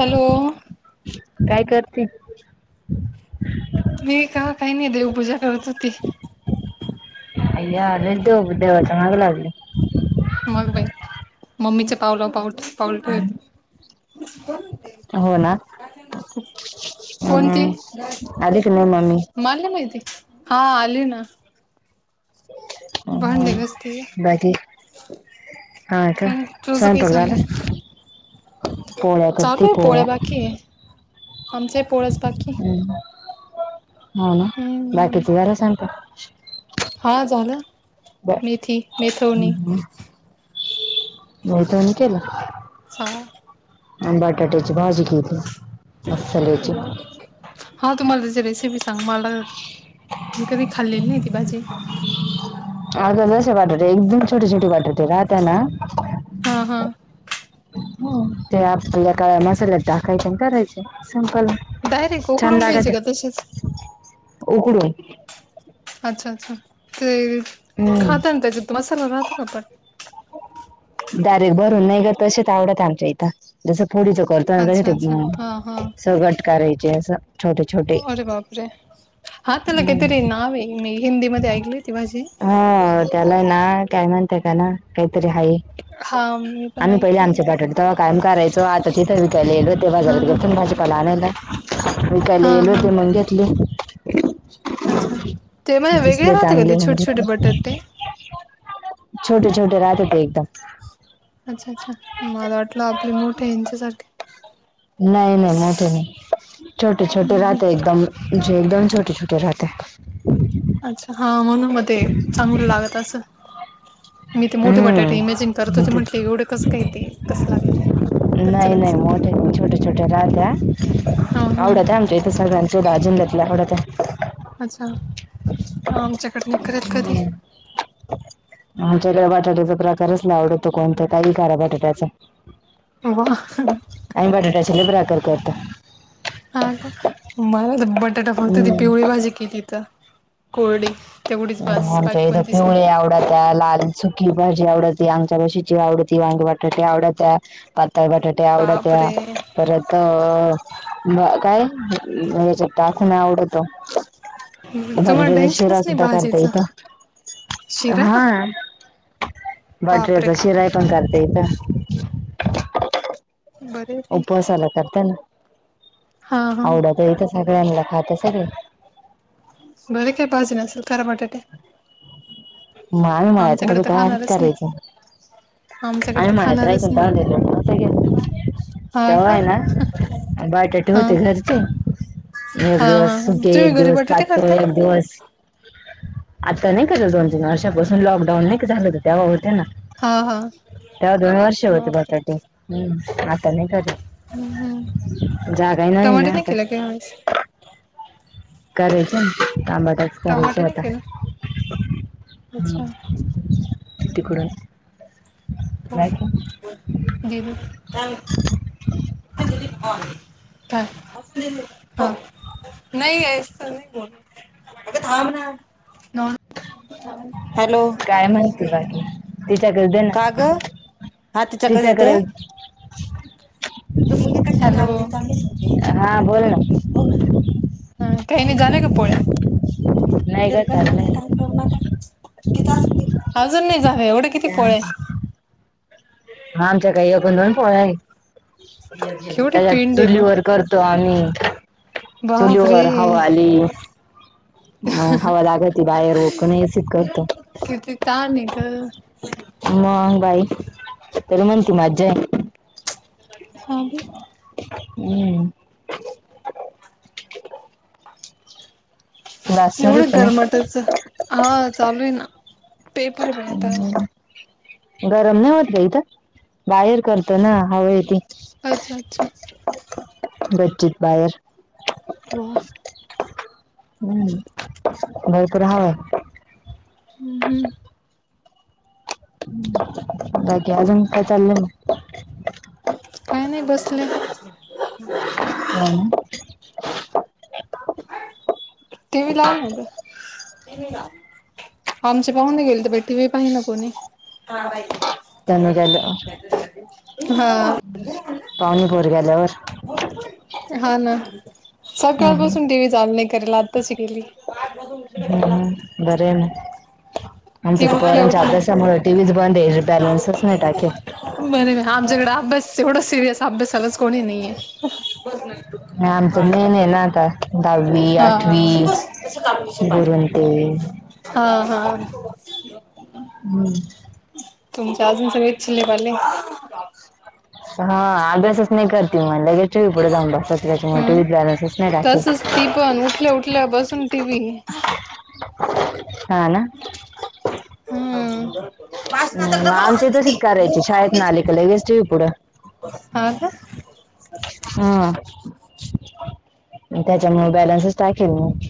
Hello काय करती. मी का काही नाही देवपूजा करत होती. अय्या [unintelligible] देवाच माग लागली. मग बाई मम्मीचा पावला पाऊ पाऊलट हो ना कोण ती. हम्म आली की नाही मम्मी? माला नाई माहितीे हा आली ना. [unintelligible] भांडे घासती हम्म बाकी गं. हा का काय नाही तुजं काय स्वयंपाक झाला? चाललंय. पोळ्या करते चालू हाय पोळ्या बाकी हे आमचा ही पोळ्याच बाकी हे. हो ना हम्म बाकीची झाला स्वयंपाक. हा झालं मेथी मेथवणी. हम्म. पोळ्या तेन केला. हा. आम्ही बटाटूची भाजी केली. [unintelligible] वा. हा मला त्याची रेसिपी सांग मला मी कधी खाल्लेली नाही ती भाजी. अग बटाटे एकदम छोट छोट बटाटे राहता ना हा हा हो ते आपल्या काय मसाल्यात टाकायचे आणि करायचे संपल. डायरेक्ट छान उकडून घ्यायची लागत का तशीच हे उकडून. अच्छा अच्छा ते हम्म खाता ना त्याच्यात मसाला राहतो का पण. डायरेक्ट भरून नाही ग तसेच आवडत आमच्या इथं जसं फोडीच करतो ना तसं अच्छा ते अच्छा हम्म हा हा कट करायचे अस छोटे छोटे अरे बाप रे हा त्याला हम्म. काहीतरीे नाव आहे मी हिंदी मध्ये ऐकली ती भाजी. हा त्याला हाय ना काय म्हणते त्याला ना काहीतरी हाय. हा मी पण आम्ही पहिले ऐकले आमचे ते बटाटा होते तेव्हा कायम करायचे. तो आता तिथे विकायला गेलो होते हा बाजारात हा घेऊून भाजपाला आणायला विकायला हा गेलो हा ते म्हणतेत [unintelligible] अच्छा ते म्हण वेगळे दिसले राहते का चांगले ते मग छोटे छोटे घेतले बटाटे. छोटे छोटे राहते ते एकदम. अच्छा अच्छा मला वाटलं आपली मोठे यांच्यासारखी नाय नाय मोठे नाही. छोटे छोटे राहते एकदम म्हनजे एकदम छोटे छोटे राहते. अच्छा हा म्हणून मते चांगलं लागत असंल. मी ते मोठे बटाटे इमेजिंग करत हम्म होते. मग ते म्हटले एवढं कसं काय ते, कसं लागलं. कच्च- नाही कच्च. नाही मोठे छोट्या छोट्या राहत्या. हा हा आवडतय आमच्या इथे सगळ्यांचे [unintelligible] आवडतय. अच्छा. आमच्याकड नाही करत कधी. त्याला बटाट्याचा प्रकारच नाही आवडत. कोणतं, काही करा बटाट्याचं. [unintelligible] आम्ही, बटाट्याच्या लय प्रकार करतो. हा, का. मला तर बटाटा, फक्त ती हम्म. पिवळी भाजी केली तर. कोरडी. [inaudible] तेवढीच बास आमच्या बाकी इथं, कोणतीच पिवळी नाही आवडत्या. लाल सुकी भाजी आवडती. आंगच्या रशीची आवडती. वांगे बटाटे आवडत्या. पातळ बटाटे त्या आवडात्या. बापरे परत अ [unintelligible] काय? हयाच्यात टाखून आवडतो. तुम्हाला [unintelligible] शिरा टेन्शनच नाही सुधा करता भाजीचं येतं. शिरा हा, बापरे बटाट्याचा शिरा पण करता येत. बरे रे उपवासाला करता ना. हा हा आवडत येत सगळ्यांनला. खात सगळे. [unintelligible] करा बटाटे. आमच्याकडे तर [unintelligible] खाणारच नाही करायच. आमच्याकडे आम्ही तर मळ्यात खाणारच राहायचो नाही हा [unintelligible] का तेव्हाय ना बायटाटू हा होते घरचे. एक हा दिवस हा सुके, तुम्ही एक घरी दिवस बटाटे पातळ, करताय एक दिवस आता नाही का, दोन -तीन वर्षापासून लॉकडाऊन नाही का झालं. तेंव्हा होते ना. हा, हा. तेव्हा दोन वर्ष होते बापरे बटाटी. हम्म, आता नाही घरी. हम्म हम्म जागाही नाहीय टमाटे ना, नाही केला का ह्यावेळेस आता. करायच. [unintelligible] करायच टमाटे नाही आता. केलं ह. अच्छा तिकडून [unintelligible] गेली. [unintelligible] [unintelligible] नाही [unintelligible] आगं थांब ना. [unintelligible] काय मनती? बाकी. तिच्याकड दे ना. तिच्याकड [unintelligible] चाललीच होते. हा बोल ना [unintelligible] ह काही नाही, झाल्या का पोळ्या? [unintelligible] नाही ग चाललंय [unintelligible] अजून नाही झाल्या. एवढं [unintelligible] आमच्या काय एक न दोन पोळ्या हाय [inaudible] केवढी त्याज्यात, पिंड आहे मग चुलीवर करतो आम्ही. [inaudible] बापरे चुलीवर हवा आली. अ हवा लागती बाहेर. [unintelligible] करतो. किती ताणय गं. मग बाई. तरी म्हणती मजाय. [unintelligible] [inaudible] हम्म. तुला सुरू एवढं की नाही गरमाटच. हा चालूय ना. पेपरय बाई आता. गरम नाही होत का इथ? बाहेर करतो ना. हवा येती. अच्छा, अच्छा. [inaudible] गच्चीत बाहेर. हो. हम्. नाही तर हवा. हम्म- हम्. [unintelligible] बाकी, अजून काय चाललंय मग? काय नाही, बसले. [unintelligible] [unintelligible] टी व्हि लाव ना गं. आमचे पाहुणे गेले तर बाई टी व्हि पाहिना कोणी. तनुजाला हा. पाहुणी पोर गेल्यावर- हो ना. हा हा सक्काळपासून टी व्ही चालू नाही करेल. आताशी केली. बरय ना. आमचं ती तर उठल्या पोरांच्या अभ्यासामुळे- टि व्हि च उठल्या बंद आहेे. बॅलेन्सच नाहीए टाकेल. बरय म आमच्याकडे अभ्यास, एवढा सिरियस अभ्यासालाच कोणी नाहीेए. आमचं मेन आहे ना आता. दहावी आठवी हा गरुं ते- हा हा. हम्. तुमचे अजून सगळेच चिल्ले पाले- हा अभ्यासच नाही करती म. लगे- टी व्हि पुढे जाऊन बसत्या. त्याच्यामुळे टी हम्म व्हित बॅलेन्सच नाही टाकला. तसच ती पण उठल्या उठल्या बसून टीव्ही हा ना. हम्म. मग आमचेही तशेच करायचे. शाळेतन आले कि लगेच टी व्ही पुढं- हा का? हा. मी त्याच्यामुळे बॅलन्सच टाकलेला नाही.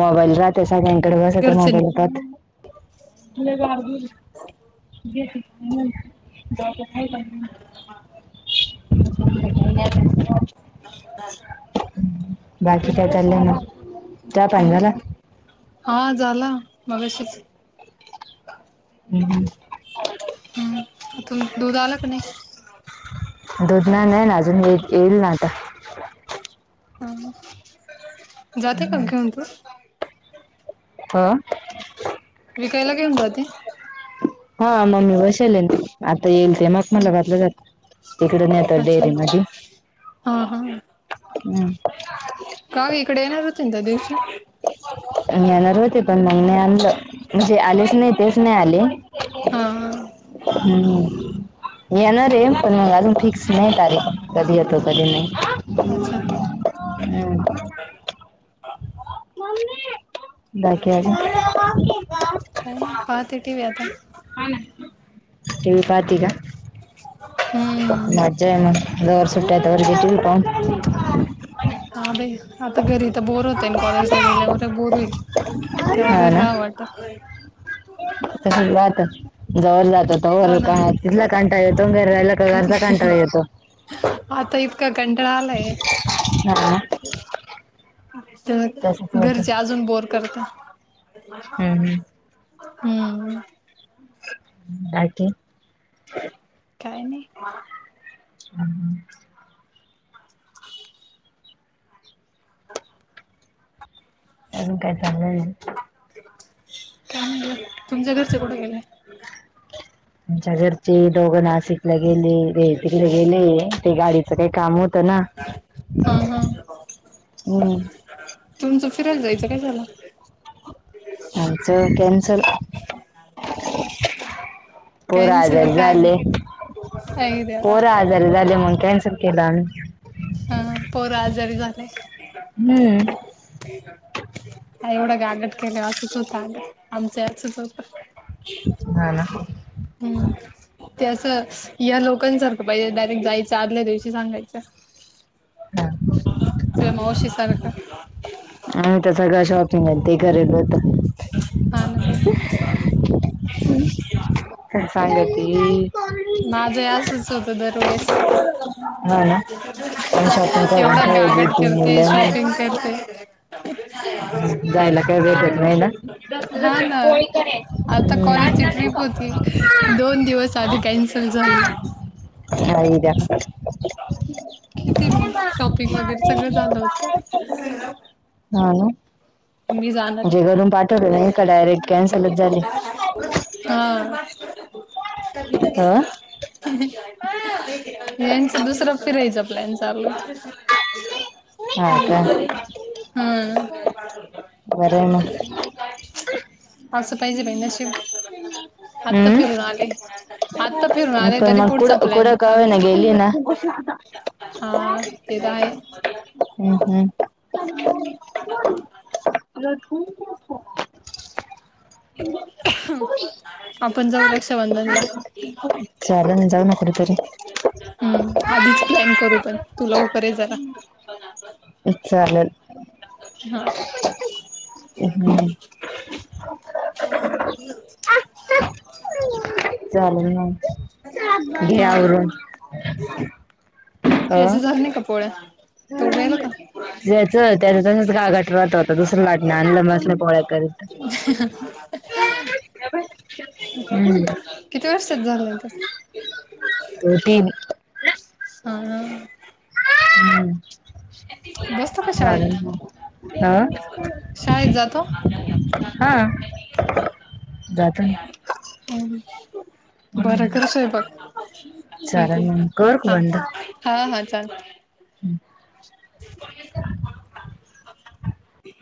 मोबाईल राहतो सगळ्यांकडे. बसते घरच्यांनी मोबाईल पहात. ह [unintelligible] बाकी काय चालंलय मग? चहा काय पाणी झाला? हा झाला. मगाशीच. हम्. हम्म. हम्म. [unintelligible] दूध आलं का नाही? दुध नाही आलंय ना अजून. येई येईल ना आता. ह. जातो का घेऊन तो? हा. विकायला घेऊन जाते? हा मम्मी बसेले. आता येईल ते मग ह मखमलाबादला जातो. तिकडून येतो अच्छा डेअरी मधी.. हा हा हम्म. का ग, इकडे येणार होती ना त्या दिवशी? म येणार होते. पण ह्यांनी नाही आणलं. म्हणजे आलेच नाही तेच नाही आले. हा. हां. हम्म. येणारे पण मग अजून फिक्स नाही तारीख. कधी येतो कधी नाही. अच्छा हम्म. मम्मी. [unintelligible] काय नाही पाहते टी व्ही आता. हा ना, टी व्ही पाहती का? हम्म मज्जा आहे मग. जवर सुट्ट्याये तवर घे टी व्हि पाहून. हा बाई. आता घरी इथं बोर होत, अन कॉलेजला गेल्यावर बोर होईल तेव्हा घरी राहावं वाटत. तसच राहात [unintelligible] हो ना कंटाळ येतो. न घरी राह्यल- [unintelligible] कंटाळा येतो. आता इतका कंटाळा आलाय [unintelligible] तसंच होत घरचे अजून बोअर करता. हम्म हम्म. बाकी? काय नाही. हम्म. [inaudible] अजून काय चांलय? काय नाही बघा तुमच्या घरचे कुठं गेले? आमच्या घरचे दोघं नाशिकला गेले [unintelligible] गेले ते गाडीचं काही काम होत त ना हा हा हम्म. तुमचं फिरायला जायचं काय झाल? आमचं कॅनसल. पोर कॅन्सल आजारी काय झाले आई देवा पोर आजा री झाले म्हणून कॅन्सल केल आम्ही. हा पोर आजारी झाले. हम्म. [inaudible] का एवढं गागट केलं असंच होतं आ आमचं असच होत. नाही ना. हम्म. ते असं या लोकांसारखं पाहिजे डायरेक्ट जायचं आदल्या दिवशी सांगायचं. हम ते मावशी सारक. अ तस का शॉपिंग आणि ते करेगत. हा ना बघ का सांगती. माझं असच होतं दरवेेळेस. हा ना पण शॉपिंग करून एवढा ठेवली गागड ती करते मुलं शॉपिंग नाही करते. [unintelligible] जायला हा ना [unintelligible] आता कॉलेजची ट्रिप होती, दोन दिवस आधी कॅन्सल झाली. खय्या किती शॉपिंग वगैरे सगळं झालं होत हा म्हणजे आहे. घरून पाठवलं नाही का डायरेक्ट कॅन्सलच झाले हा ह यांच दुसर फिरायचा प्लॅन चालू हा का हम्म बरे ना असं पाहिजे बहि नशिव आत्ता फिरून हम्म आले आता फिरून अरे पण तरी मग कुड पुढचा प्लॅन कुडं का होईना चालूच गेली ना हा तेरा आहे हम् हम्म [unintelligible] [inaudible] ह आपण जाऊ रक्षाबंधनला चाल मी जाऊ न कठतरी हम्म आधीच प्लॅन करू पण तुला उपरे जाला विलेल ह चाले ना घेवर याचं झालं नाही का पोळ्या तर उभ्याला का ज्याच त्याच्यातूनच गागाठत होात दुसरं लाटण आणल बसले पोळ्या करत. हम्म किती वर्षेत झालाय ग तर ती हा. हम्म बसतो का शाळेत? चालेल मग अ शाळेत जातो? हा जातो ना. हम. बर कर स्वयंपाक ठेवते चालेल मग कर हा हा हा चाल हम् [inaudible]